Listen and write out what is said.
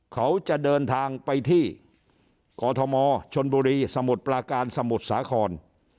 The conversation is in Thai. เขาจะเดินทางไปที่กอทมชนบุรีสมุทรปลาการสมุทรสาคร